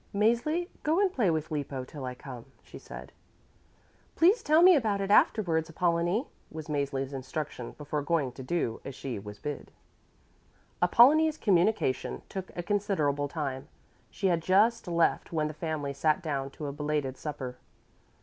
"Mäzli, go and play with Lippo till I come," she said. "Please tell me all about it afterwards, Apollonie," was Mäzli's instruction before going to do as she was bid. Apollonie's communication took a considerable time. She had just left when the family sat down to a belated supper.